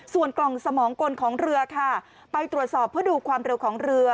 ส่วนกล่องสมองกลของเรือค่ะไปตรวจสอบเพื่อดูความเร็วของเรือ